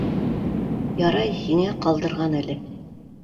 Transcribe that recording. — Ярай һиңә ҡалдырған әле.